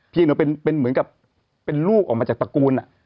เพียงเหมือนกับเป็นลูกออกมาจากตระกูล